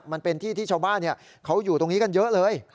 มันเป็นที่ที่ชาวบ้านเขาอยู่ตรงนี้กันเยอะเลย